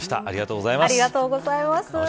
ありがとうございます。